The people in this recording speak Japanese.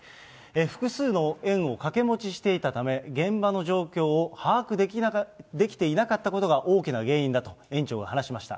複数の園を掛け持ちしていたため、現場の状況を把握できていなかったことが大きな原因だと園長は話しました。